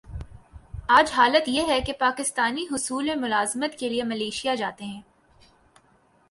آج حالت یہ ہے کہ پاکستانی حصول ملازمت کیلئے ملائشیا جاتے ہیں۔